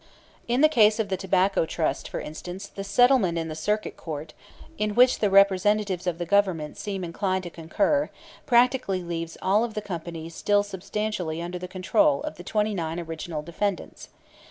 In the case of the Tobacco Trust, for instance, the settlement in the Circuit Court, in which the representatives of the Government seem inclined to concur, practically leaves all of the companies still substantially under the control of the twenty nine original defendants.